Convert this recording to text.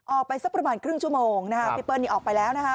ออกไปสักประมาณครึ่งชั่วโมงนะฮะพี่เปิ้ลนี้ออกไปแล้วนะคะ